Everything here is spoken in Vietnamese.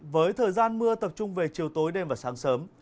với thời gian mưa tập trung về chiều tối đêm và sáng sớm